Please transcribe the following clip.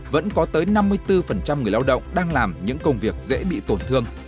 vẫn có tới năm mươi bốn người lao động đang làm những công việc dễ bị tổn thương